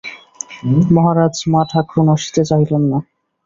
মহারাজ, মা-ঠাকরুন আসিতে চাহিলেন না।